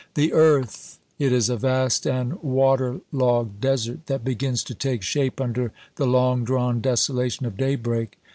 The earth! It is a vast and water logged desert that begins to take shape under the long drawn desolation of daybreak.